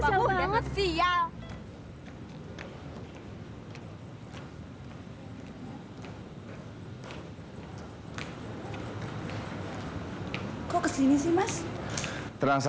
saya ada tempat asyik disini